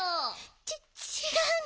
ちちがうの。